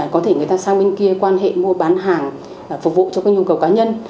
có thể người ta sang bên kia quan hệ mua bán hàng phục vụ cho các nhu cầu cá nhân